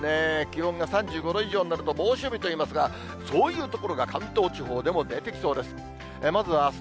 気温が３５度以上になると猛暑日と言いますが、そういう所が関東地方でも出てきそうです。